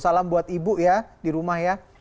salam buat ibu ya di rumah ya